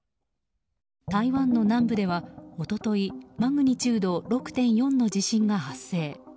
台湾の南部では一昨日マグニチュード６．４の地震が発生。